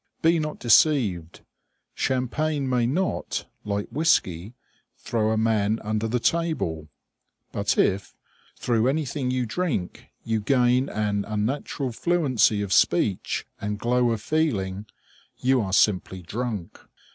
Be not deceived. Champagne may not, like whiskey, throw a man under the table; but if, through anything you drink, you gain an unnatural fluency of speech and glow of feeling, you are simply drunk.